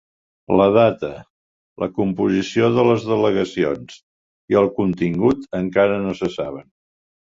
La data, la composició de les delegacions i el contingut encara no se saben.